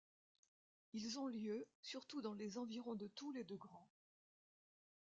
Ils ont lieu surtout dans les environs de Toul et de Grand.